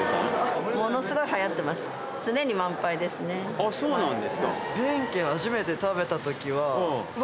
あそうなんですか。